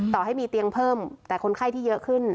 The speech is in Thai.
ต่อให้มีเตียงเพิ่มแต่คนไข้ที่เยอะขึ้น